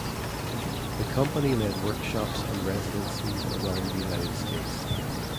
The company led workshops and residencies around the United States.